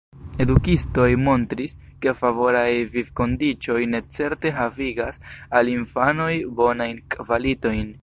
Edukistoj montris, ke favoraj vivkondiĉoj necerte havigas al infanoj bonajn kvalitojn.